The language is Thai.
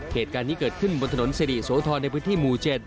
เหตุการณ์นี้เกิดขึ้นบนถนนสิริโสธรในพื้นที่หมู่๗